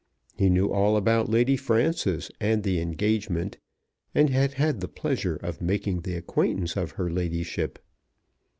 He knew all about Lady Frances and the engagement, and had had the pleasure of making the acquaintance of her ladyship.